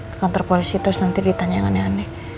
ke kantor polisi terus nanti ditanya aneh aneh